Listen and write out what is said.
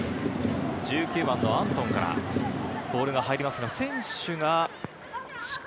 １９番アントンからボールが入ります。